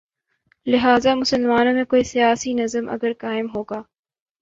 لہذا مسلمانوں میں کوئی سیاسی نظم اگر قائم ہو گا۔